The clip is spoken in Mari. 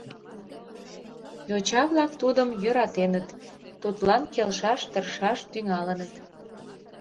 Йоча-влак тудым йӧратеныт, тудлан келшаш тыршаш тӱҥалыныт.